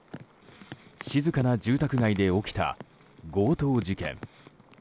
静かな住宅街で起きた強盗事件。